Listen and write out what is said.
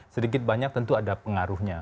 sedikit banyak tentu ada pengaruhnya